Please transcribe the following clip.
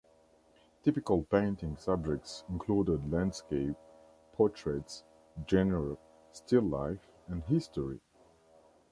Typical painting subjects included landscape, portraits, genre, still-life, and history.